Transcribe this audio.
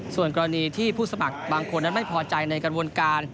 ส่วนกรณีที่ผู้สมัครบางคนนั้นไม่พอใจในกระบวนการ